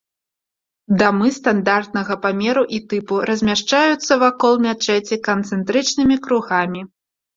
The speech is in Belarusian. Дамы стандартнага памеру і тыпу размяшчаюцца вакол мячэці канцэнтрычнымі кругамі.